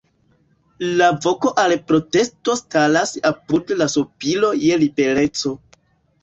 La voko al protesto staras apud la sopiro je libereco.